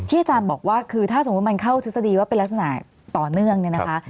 อาจารย์บอกว่าคือถ้าสมมุติมันเข้าทฤษฎีว่าเป็นลักษณะต่อเนื่องเนี่ยนะคะ